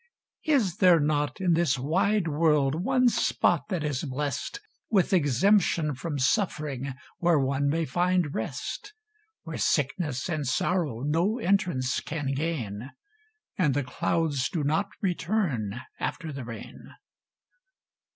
Is there not in this wide world one spot that is blessed With exemption from suffering, where one may find rest; Where sickness and sorrow no entranpe can gain, And the clouds do not return after the rain?